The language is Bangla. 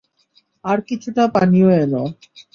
আর কিছুটা পানিও এনো।